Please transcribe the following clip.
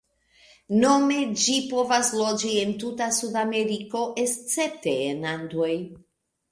Nome ĝi povas loĝi en tuta Sudameriko, escepte en Andoj.